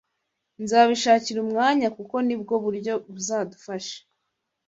Nzabishakira umwanya, kuko ni bwo buryo buzadufasha